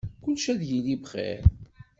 Kullec ad yili bxir.